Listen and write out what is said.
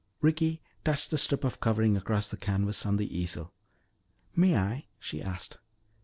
Ricky touched the strip of covering across the canvas on the easel. "May I?" she asked.